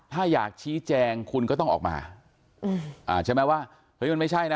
ถ้าอยากชี้แจงคุณก็ต้องออกมาใช่ไหมว่าเฮ้ยมันไม่ใช่นะ